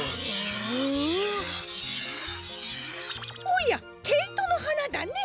おやケイトのはなだね。